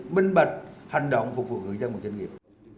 minh bạch hành động phục vụ người dân và doanh nghiệp